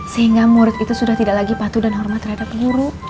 sehingga murid itu sudah tidak lagi patuh dan hormat terhadap guru